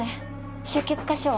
出血箇所は？